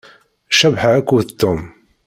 Cabḥa akked Tom.